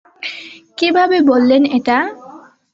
কিভাবে বললেন এটা?